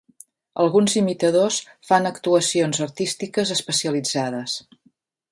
Alguns imitadors fan actuacions artístiques especialitzades.